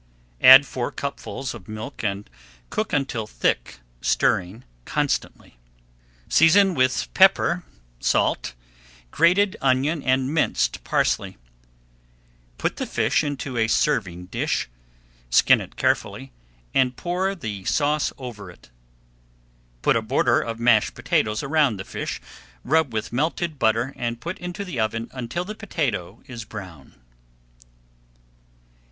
Add four cupfuls of milk and cook until thick, stirring constantly. Season with pepper, salt, grated onion, and minced parsley. Put the fish upon a serving dish, skin it carefully, and pour the sauce over it. Put a border of mashed potatoes around the fish, rub with melted butter and put into the oven until the potato is brown.